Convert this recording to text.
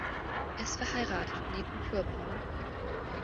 Er ist verheiratet und lebt in Pyrbaum.